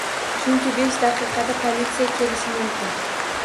- Chunki besh daqiqada politsiya kelishi mumkin.